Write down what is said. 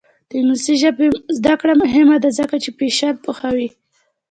د انګلیسي ژبې زده کړه مهمه ده ځکه چې فیشن پوهوي.